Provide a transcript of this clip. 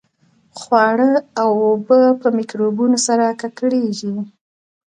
خواړه او اوبه په میکروبونو سره ککړېږي.